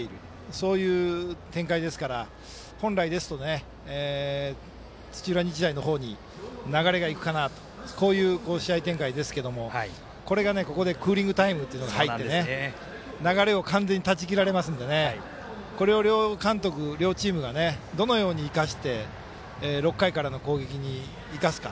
そういう展開ですから本来ですと、土浦日大の方に流れがいくかなとこういう試合展開ですけどこれが、ここでクーリングタイムが入って流れを完全に断ち切られますのでこれを両監督、両チームがどのように生かして６回からの攻撃に生かすか。